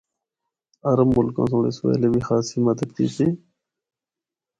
عرب ملکاں سنڑ اس ویلے بھی خاصی مدد کیتی۔